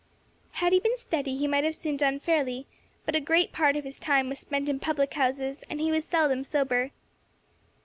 Had he been steady he might have soon done fairly, but a great part of his time was spent in public houses, and he was seldom sober.